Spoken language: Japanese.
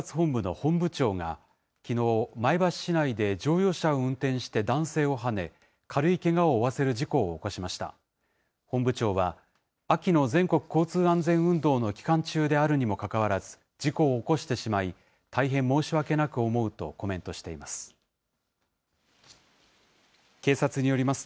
本部長は、秋の全国交通安全運動の期間中であるにもかかわらず、事故を起こしてしまい、大変申し訳なく思うとコメントしています。